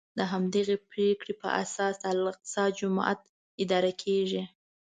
د همدغې پرېکړې په اساس د الاقصی جومات اداره کېږي.